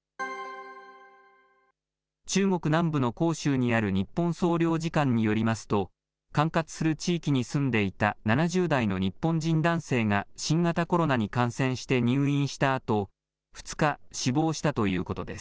中国南部の広州にある日本総領事館によりますと、管轄する地域に住んでいた７０代の日本人男性が、新型コロナに感染して入院したあと、２日、死亡したということです。